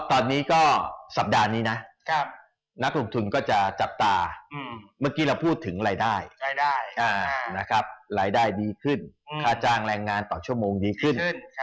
ตอนนี้ก็สัปดาห์นี้นะนักลงทุนก็จะจับตาเมื่อกี้เราพูดถึงรายได้รายได้ดีขึ้นค่าจ้างแรงงานต่อชั่วโมงดีขึ้น